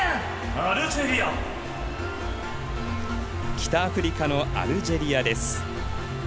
北アフリカのアルジェリアです。